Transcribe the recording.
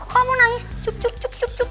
kamu nangis cukup cukup cukup cukup